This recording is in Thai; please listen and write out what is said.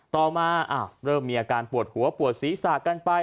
ต่อมาเริ่มมีอาการปวดหัวปวดศีรษะกันไป